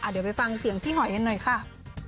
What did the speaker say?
เดี๋ยวไปฟังเสียงพี่หอยกันหน่อยค่ะ